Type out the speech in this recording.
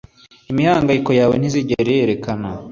imihangayiko yawe ntizigera yerekana